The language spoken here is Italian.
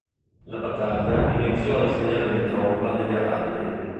La battaglia iniziò al segnale di tromba degli araldi.